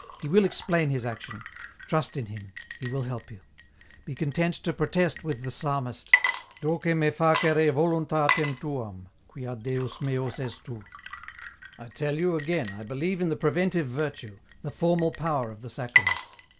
He will explain His action ; trust in Him, He will help you ; be content to protest with the Psalmist :' Doce me facere voluntatem tuam, quia Deus mens es tu.' " I tell you again I believe in the preventive virtue, the formal power of the Sacraments.